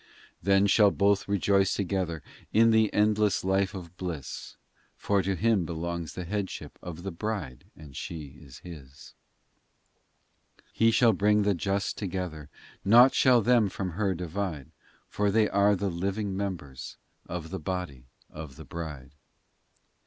XIII Then shall both rejoice together In an endless life of bliss, For to Him belongs the headship Of the bride, and she is His, POEMS 283 XIV He shall bring the just together Nought shall them from her divide For they are the living members Of the body of the bride.